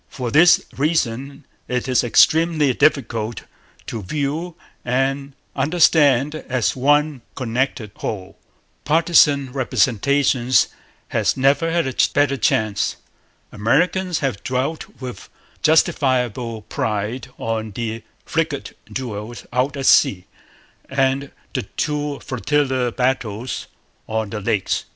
For this reason it is extremely difficult to view and understand as one connected whole. Partisan misrepresentation has never had a better chance. Americans have dwelt with justifiable pride on the frigate duels out at sea and the two flotilla battles on the Lakes.